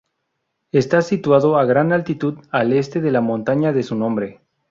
Está situado a gran altitud al este de la montaña de su nombre.